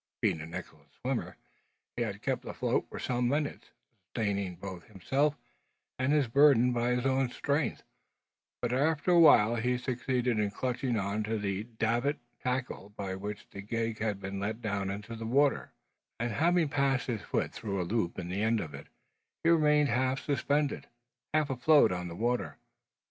Being an excellent swimmer, he had kept afloat for some minutes, sustaining both himself and his burden by his own strength; but after a while he succeeded in clutching on to the davit tackle by which the gig had been let down into the water, and having passed his foot through a loop in the end of it, he remained half suspended, half afloat on the water.